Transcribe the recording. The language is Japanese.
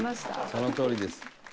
そのとおりです」